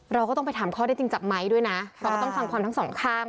เราก็ต้องฟังความทางสองครั้ง